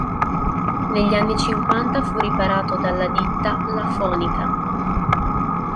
Negli anni cinquanta fu riparato dalla ditta "La Fonica".